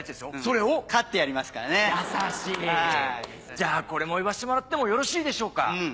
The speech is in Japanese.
じゃあこれも言わせてもらってもよろしいでしょうか？